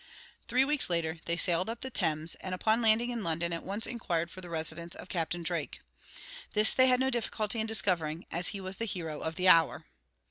Three weeks later they sailed up the Thames, and upon landing in London at once inquired for the residence of Captain Drake. This they had no difficulty in discovering, as he was the hero of the hour.